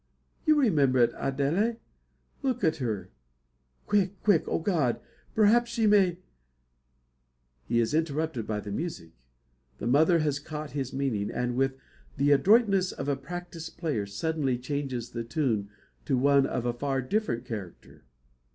You remember it, Adele! Look at her. Quick! quick! O God! Perhaps she may " He is interrupted by the music. The mother has caught his meaning, and with the adroitness of a practised player, suddenly changes the tune to one of a far different character.